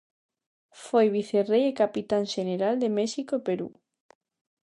Foi Vicerrei e Capitán Xeneral de México e Perú.